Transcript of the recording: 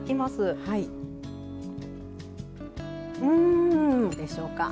どうでしょうか？